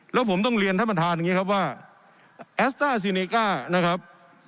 แล้วผมต้องเรียนท่านประธานอย่างนี้ครับว่าแอสต้าซีเนก้านะครับ